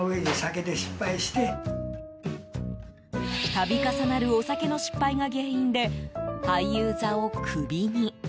度重なるお酒の失敗が原因で俳優座をクビに。